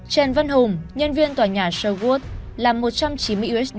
trần văn hùng nhân viên tòa nhà sherwood làm một trăm chín mươi usd